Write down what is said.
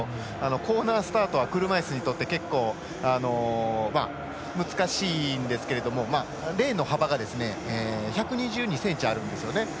コーナースタートは車いすにとって結構難しいんですけれどもレーンの幅が１２２ｃｍあるんですよね。